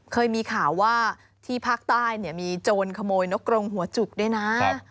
เคยมีข่าวว่าที่ภาคใต้เนี่ยมีโจรขโมยนกกรงหัวจุกด้วยนะ